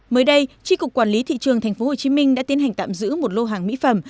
mới đây tri cục quản lý thị trường tp hcm đã tiến hành tạm giữ một lô hàng mỹ phẩm